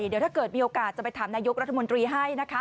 เดี๋ยวถ้าเกิดมีโอกาสจะไปถามนายกรัฐมนตรีให้นะคะ